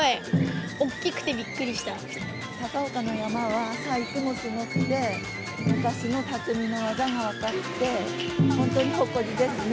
高岡の山車は細工もすごくて、昔の匠の技が分かって、本当に誇りですね。